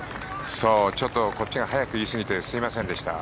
ちょっとこっちが早く言いすぎてすみませんでした。